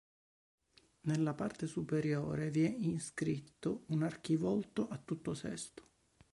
Nella parte superiore vi è inscritto un archivolto a tutto sesto.